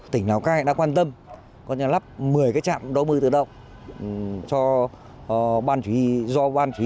tỉnh lào cai đã quan tâm có nhà lắp một mươi cái trạm đo mưa tự động do ban chủ y phòng